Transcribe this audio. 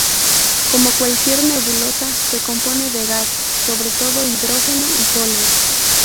Como cualquier nebulosa, se compone de gas, sobre todo hidrógeno y polvo.